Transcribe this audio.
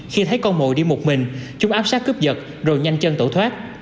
khi thấy con mồi đi một mình chúng áp sát cướp dật rồi nhanh chân tổ thoát